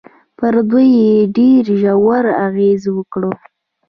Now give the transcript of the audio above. پر دوی يې ډېر ژور اغېز وکړ.